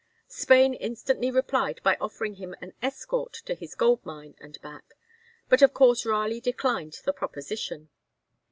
Spain instantly replied by offering him an escort to his gold mine and back, but of course Raleigh declined the proposition.